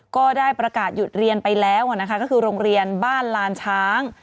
ก็ได้ประกาศหยุดเรียนไปแล้วนะคะก็คือโรงเรียนบ้านลานช้าง